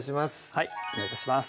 はいお願い致します